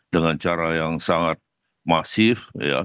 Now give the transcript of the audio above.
dengan cara yang sangat masif